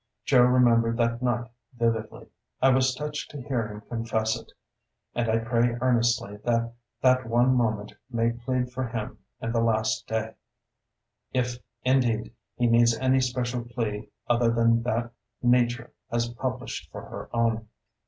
Joe remembered that night vividly. I was touched to hear him confess it; and I pray earnestly that that one moment may plead for him in the last day, if, indeed, he needs any special plea other than that Nature has published for her own.